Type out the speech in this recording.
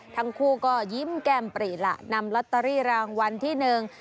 ทั้งคู่ก็ยิ้มแก้มปรีล่ะนำลอตเตอรี่รางวัลที่หนึ่ง